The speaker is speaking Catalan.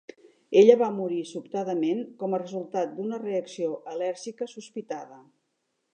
Ella va morir sobtadament com a resultat d'una reacció al·lèrgica sospitada.